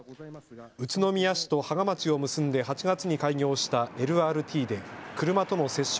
宇都宮市と芳賀町を結んで８月に開業したＬＲＴで車との接触